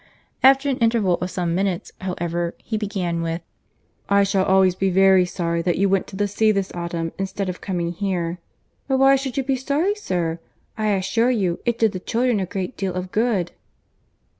After an interval of some minutes, however, he began with, "I shall always be very sorry that you went to the sea this autumn, instead of coming here." "But why should you be sorry, sir?—I assure you, it did the children a great deal of good."